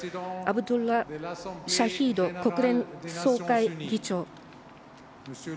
アブドラ・シャヒド国連総会議長。